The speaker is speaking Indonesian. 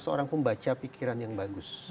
seorang pembaca pikiran yang bagus